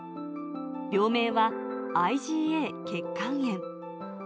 病名はＩｇＡ血管炎。